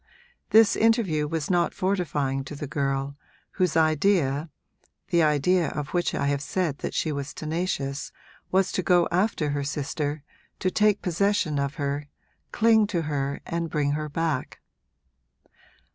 This interview was not fortifying to the girl, whose idea the idea of which I have said that she was tenacious was to go after her sister, to take possession of her, cling to her and bring her back.